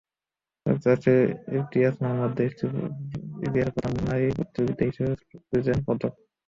যুক্তরাষ্ট্রের Ibtihaj Muhammad দেশটির ইতিহাসে প্রথম মুসলিম নারী প্রতিযোগী হিসেবে জিতেছেন পদক।